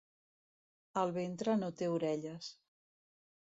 El ventre no té orelles.